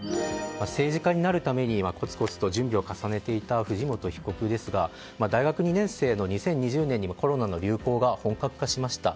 政治家になるためにコツコツと準備を重ねていた藤本被告ですが、大学２年生の２０２０年にコロナの流行が本格化しました。